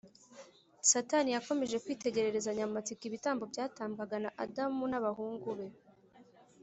. Satani yakomeje kwitegerezanya amatsiko ibitambo byatambwaga na Adamu n’abahungu be